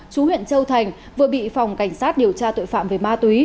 chú huyện châu thành vừa bị phòng cảnh sát điều tra tội phạm về ma túy